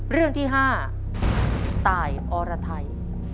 เรื่องที่๕ตายอรไทย